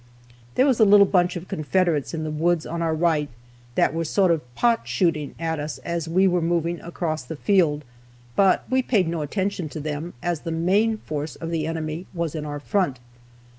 There was a little bunch of Confederates in the woods on our right that were sort of "pot shooting" at us as we were moving across the field, but we paid no attention to them, as the main force of the enemy was in our front.